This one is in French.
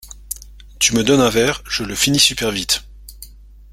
Tu me donnes un verre, je le finis super vite.